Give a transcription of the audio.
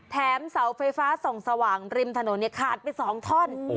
เสาไฟฟ้าส่องสว่างริมถนนขาดไป๒ท่อน